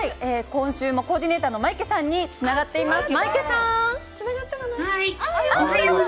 今週もコーディネーターのマイケさんにつながっています。